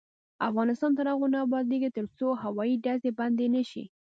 افغانستان تر هغو نه ابادیږي، ترڅو هوایي ډزې بندې نشي.